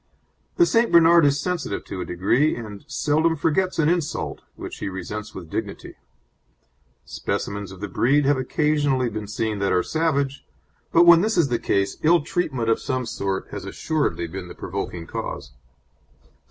The St. Bernard is sensitive to a degree, and seldom forgets an insult, which he resents with dignity. Specimens of the breed have occasionally been seen that are savage, but when this is the case ill treatment of some sort has assuredly been the provoking cause.